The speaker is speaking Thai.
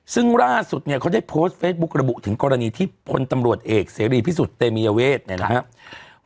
ซึ่งล่าสุดเนี่ยเขาได้โพสต์เฟซบุ๊กระบุถึงกรณีที่พลตำรวจเอกเสรีพิสุทธิ์เตมียเวทเนี่ยนะครับ